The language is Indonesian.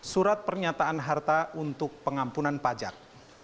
surat pernyataan harta untuk pengampunan pajak